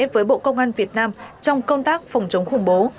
với bộ công an việt nam trong công tác phòng chống khủng bố